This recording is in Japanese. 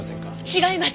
違います！